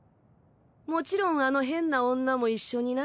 もちろんあの変な女も一緒にな。